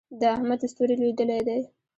د احمد ستوری لوېدلی دی.